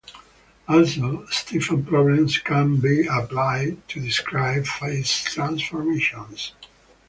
Also, Stefan problems can be applied to describe phase transformations.